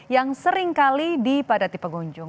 yang seringkali dipadati pengunjung